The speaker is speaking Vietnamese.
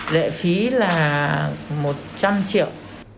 lệ phí là một trăm linh triệu